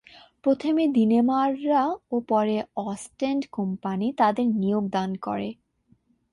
প্রথমে দিনেমাররা ও পরে অস্টেন্ড কোম্পানি তাদের নিয়োগ দান করে।